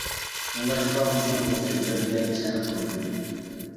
شۇڭلاشقا ئۇنىڭ بۇ سۆزلىرىگە پىسەنت قىلمىدىم.